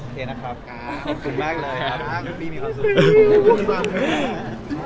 โอเคนะครับขอบคุณมากเลยครับ